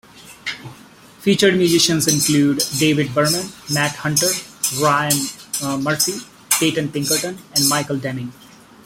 Featured musicians include: David Berman; Matt Hunter; Rian Murphy; Peyton Pinkerton; and Michael Deming.